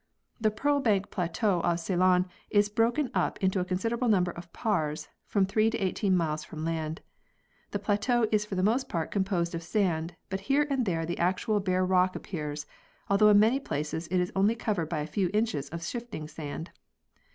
The pearl bank plateau off Ceylon is broken up into a considerable number of paars, from three to eighteen miles from land. The plateau is for the most part composed of sand, but here and there the actual bare rock appears, although in many places it is only covered by a few inches of shifting sand.